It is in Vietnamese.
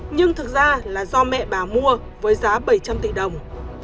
nhưng thực ra là do mẹ bà mua với giá bảy trăm linh tỷ đồng